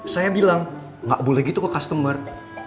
saya bilang nggak boleh gitu ke customer